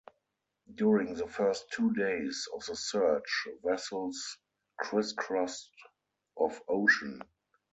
During the first two days of the search, vessels crisscrossed of ocean.